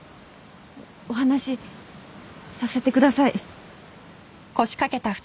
お話させてください。